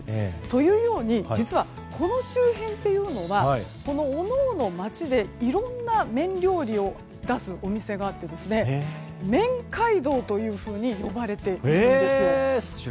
というように実はこの周辺というのはおのおの町でいろんな麺料理を出すお店があって麺街道と呼ばれているんです。